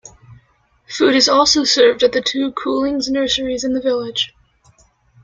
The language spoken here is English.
Food is also served at the two Coolings nurseries in the village.